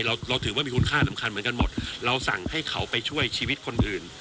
เราเราถือว่ามีคุณค่าสำคัญเหมือนกันหมดเราสั่งให้เขาไปช่วยชีวิตคนอื่น